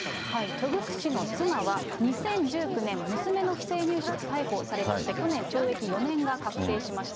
チョ・グク氏の妻は、２０１９年、娘の不正入試で逮捕されまして、去年、懲役４年が確定しました。